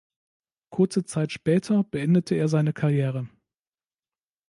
Kurze Zeit später beendete er seine Karriere.